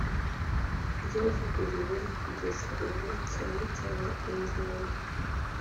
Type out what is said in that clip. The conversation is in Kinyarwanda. ryavuguruwe kugeza ubu cyane cyane ingingo